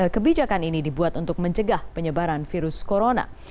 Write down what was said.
kebijakan ini dibuat untuk mencegah penyebaran virus corona